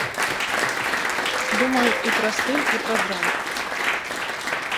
Думаю і пра стыль, і пра драйв.